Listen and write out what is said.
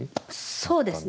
そうですか。